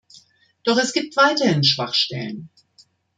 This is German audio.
Doch es gibt weiterhin Schwachstellen!